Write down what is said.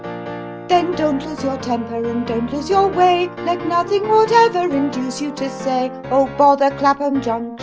Then don't lose your temper, and don't lose your way ; Let nothing whatever induce you to say, "Oh, bother Clappum Junction